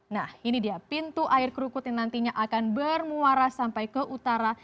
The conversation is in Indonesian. nah ini dia pintu air kerukut yang nantinya akan bermuara sampai ke utara